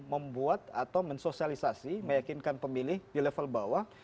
membuat atau mensosialisasi meyakinkan pemilih di level bawah